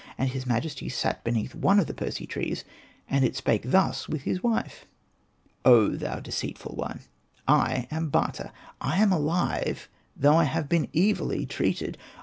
And his majesty sat beneath one of the Persea trees, and it spake thus with his wife :'' Oh thou deceitful one, I am Bata, I am alive, though I have been evilly entreated.